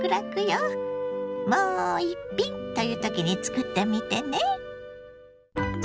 「もう一品」という時に作ってみてね。